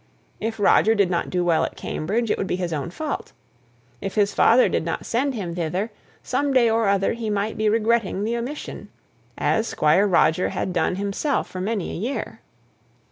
If Roger did not do well at Cambridge it would be his own fault. If his father did not send him thither, some day or other he might be regretting the omission, as the Squire had done himself for many a year.